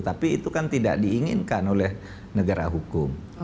tapi itu kan tidak diinginkan oleh negara hukum